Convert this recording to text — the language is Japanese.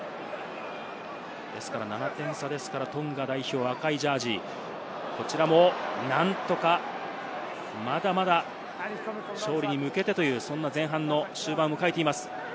ですから、７点差ですからトンガ代表、赤いジャージー、こちらも何とか、まだまだ勝利に向けてという前半の終盤を迎えています。